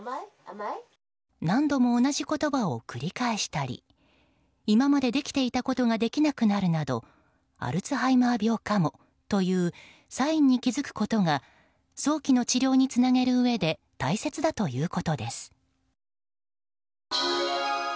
何度も同じ言葉を繰り返したり今までできていたことができなくなるなどアルツハイマー病かもというサインに気付くことが早期の治療につなげるうえで大切だということです。